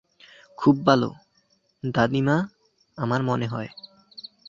খুব ভাল, দাদীমা, আমার মনে হয়।